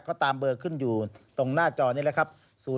ก็ตามเบอร์ขึ้นอยู่ตรงหน้าจอนี่แหละครับ